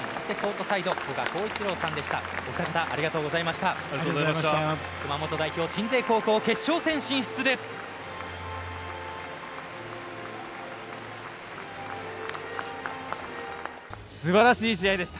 コートサイドは古賀幸一郎さんでした。